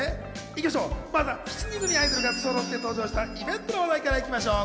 行きましょう、まずは７人組アイドルがそろって登場したイベントの話題から行きましょう。